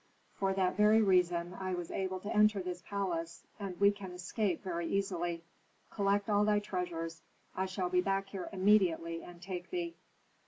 "For that very reason I was able to enter this palace, and we can escape very easily. Collect all thy treasures. I shall be back here immediately and take thee."